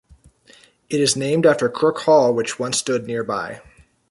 It is named after Crook Hall which once stood nearby.